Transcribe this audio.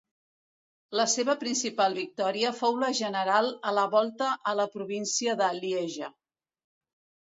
La seva principal victòria fou la general a la Volta a la província de Lieja.